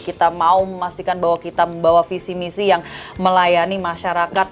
kita mau memastikan bahwa kita membawa visi misi yang melayani masyarakat